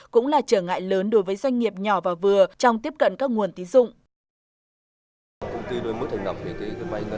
cũng là trở ngại lớn đối với doanh nghiệp nhỏ và vừa trong tiếp cận các nguồn tín dụng